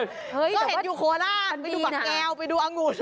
เฮ้ยเดี๋ยวว่าอยู่โคลาไปดูแบกแก้วอังวนอ่ะไม่ไปดูเมล่อนไหนหรอ